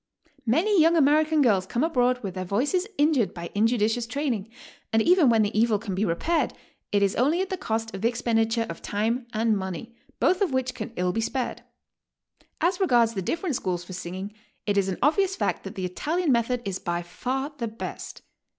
Many young American girls come abroad with their voices injured by injudicious training, and even when the evil can be repaired, it is only at the cost of the expenditure of time and money, both of which can ill be spared. As regards the different schools for singing, it is an obvious fact that the Italian method is by far the best.